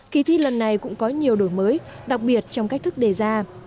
kỳ thi lần này cũng có nhiều đổi mới đặc biệt trong cách thức đề ra